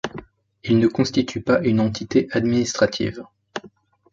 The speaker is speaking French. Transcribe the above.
Il ne constitue pas une entité administrative.